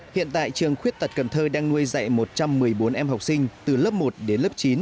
hiện tại trường khuyết tật cần thơ đang nuôi dạy một trăm một mươi bốn em học sinh từ lớp một đến lớp chín